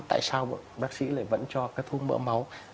tại sao bác sĩ lại vẫn cho các thuốc mỡ máu